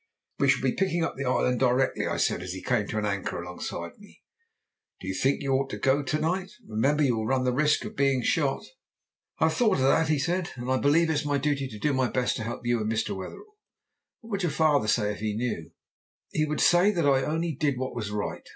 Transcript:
"We shall be picking up the island directly," I said as he came to an anchor alongside me. "Do you think you ought to go to night? Remember you will run the risk of being shot!" "I have thought of that," he said. "I believe it's my duty to do my best to help you and Mr. Wetherell." "But what would your father say if he knew?" "He would say that I only did what was right.